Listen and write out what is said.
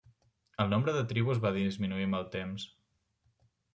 El nombre de tribus va disminuir amb el temps.